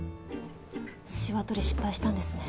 しわ取り失敗したんですね。